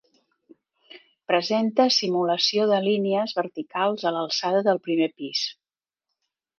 Presenta simulació de línies verticals a l'alçada del primer pis.